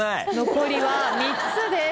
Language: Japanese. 残りは３つです。